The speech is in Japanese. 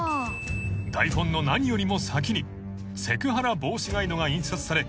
［台本の何よりも先にセクハラ防止ガイドが印刷され］